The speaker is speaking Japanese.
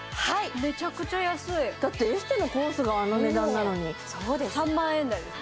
めちゃくちゃ安いエステのコースがあの値段なのにそうです